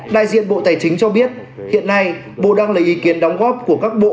đại diện bộ tài chính cho biết hiện nay bộ đang lấy ý kiến đóng góp của các bộ